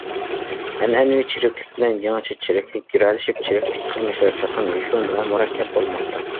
ئەنئەنىۋى چىرىكلىك بىلەن يېڭىچە چىرىكلىك گىرەلىشىپ، چىرىكلىك قىلمىشلىرى تېخىمۇ يوشۇرۇن ۋە مۇرەككەپ بولماقتا.